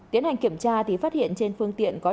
tiến hành kiểm tra thì phát hiện trên phương tiện có